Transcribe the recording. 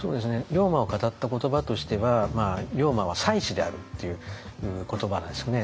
龍馬を語った言葉としては「龍馬は才子である」っていう言葉なんですね。